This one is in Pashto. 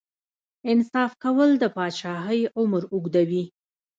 انصاف کول د پاچاهۍ عمر اوږدوي.